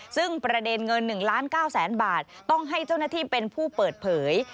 ซึ่งประเด็นเงิน๑ล้าน๙แสนบาทต้องให้เจ้าหน้าที่เป็นผู้เปิดเผย